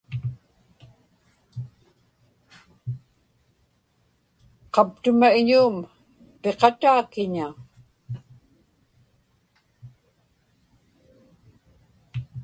qaptuma iñuum piqataa kiña?